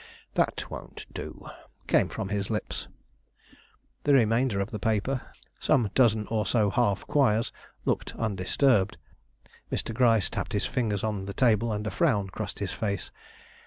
"Humph! that won't do!" came from his lips. The remainder of the paper, some dozen or so half quires, looked undisturbed. Mr. Gryce tapped his fingers on the table and a frown crossed his face.